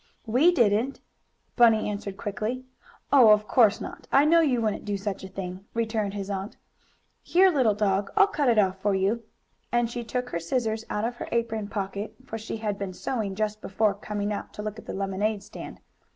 "We didn't!" Bunny answered quickly. "Oh, of course not! I know you wouldn't do such a thing," returned his aunt. "Here, little dog, I'll cut it off for you," and she took her scissors out of her apron pocket, for she had been sewing just before coming out to look at the lemonade stand.